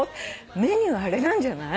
メニューあれなんじゃない？」